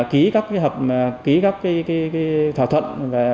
ký các thỏa thuận